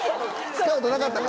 スカウトはなかったか。